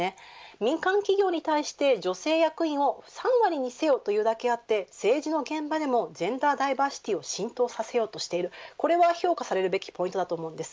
民間企業に対して女性役員を３割にせよ、というだけあって政治の現場でもジェンダーダイバーシティーを浸透させようとしているこれは評価されるべきポイントだと思います。